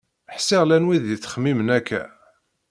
Ḥsiɣ llan wid yettxemmimen akka.